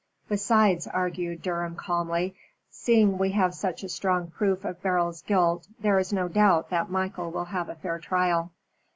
Besides," argued Durham, calmly, "seeing we have such a strong proof of Beryl's guilt, there is no doubt that Michael will have a fair trial."